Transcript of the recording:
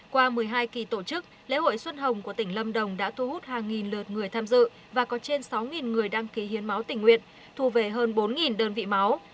qua một mươi hai kỳ tổ chức lễ hội xuân hồng của tỉnh lâm đồng đã thu hút hàng nghìn lượt người tham dự và có trên sáu người đăng ký hiến máu tỉnh nguyện thu về hơn bốn đơn vị máu